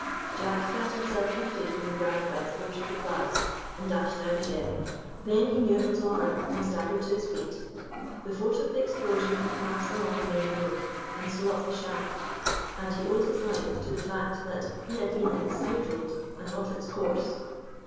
Jack felt himself lifted from the ground by the force of the blast, and dashed down again. Then he knew it was over, and staggered to his feet. The force of the explosion had passed along the main road, and so up the shaft, and he owed his life to the fact that he had been in the side road and off its course.